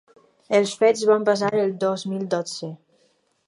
Els fets van passar el dos mil dotze.